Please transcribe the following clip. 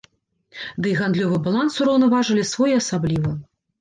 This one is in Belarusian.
Ды і гандлёвы баланс ўраўнаважылі своеасабліва.